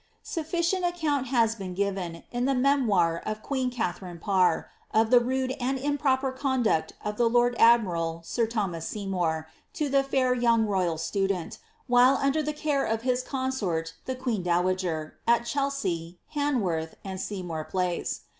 Sufficient account has been given, in the memoir of queen Katharine Parr, of the rude and improper conduct of the lord admiral sir Thomas Seymour to the fair young royal student, while under the care of his consort the queen dowager, at Chelsea, I fan worth, and Seymour Place.'